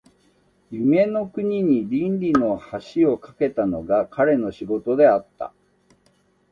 夢の国に論理の橋を架けたのが彼の仕事であった。